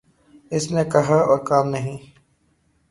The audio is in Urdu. اس نے کہا اور کام نہیں